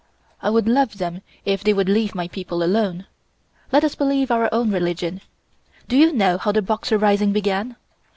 I would love them if they would leave my people alone. Let us believe our own religion. Do you know how the Boxer rising began?